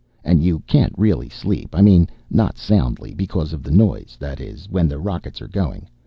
"And you can't really sleep, I mean not soundly, because of the noise. That is, when the rockets are going.